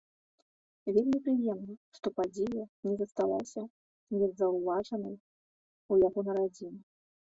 Вельмі прыемна, што падзея не засталася незаўважанай у яго на радзіме.